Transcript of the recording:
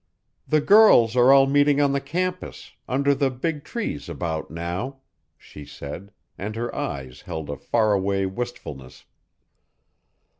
"The girls are all meeting on the campus under the big trees about now," she said, and her eyes held a far away wistfulness.